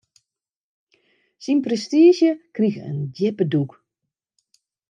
Syn prestiizje krige in djippe dûk.